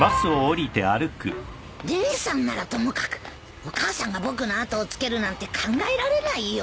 姉さんならともかくお母さんが僕の後をつけるなんて考えられないよ。